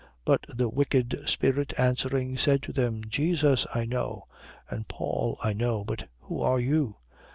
19:15. But the wicked spirit, answering, said to them: Jesus I know: and Paul I know. But who are you?